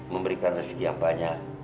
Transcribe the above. memberikan rezeki yang banyak